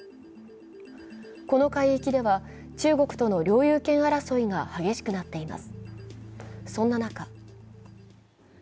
この海域では中国との領有権争いが激しくなっています。